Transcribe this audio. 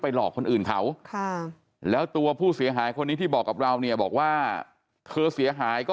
หลอกคนอื่นเขาแล้วตัวผู้เสียหายคนนี้ที่บอกกับเราเนี่ยบอกว่าเธอเสียหายก็